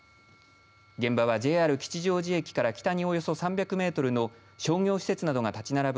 現場は、ＪＲ吉祥寺駅から北におよそ３００メートルの商業施設などが立ち並ぶ